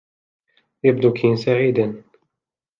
يبدو كين سعيداً.